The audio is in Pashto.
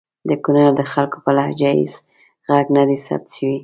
د کنړ د خلګو په لهجو هیڅ ږغ ندی ثبت سوی!